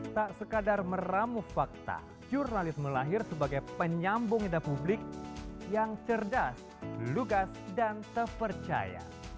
tak sekadar meramu fakta jurnalis melahir sebagai penyambung indah publik yang cerdas lugas dan terpercaya